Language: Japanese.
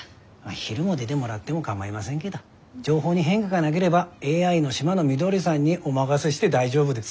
昼も出でもらってもかまいませんけど情報に変化がなげればＡＩのシマノミドリさんにお任せして大丈夫です。